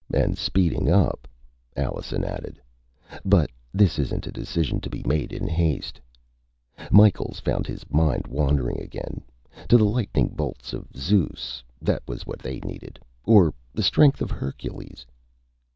"And speeding up," Allenson added. "But this isn't a decision to be made in haste." Micheals found his mind wandering again, to the lightning bolts of Zeus. That was what they needed. Or the strength of Hercules.